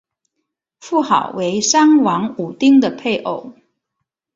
妇好为商王武丁的配偶。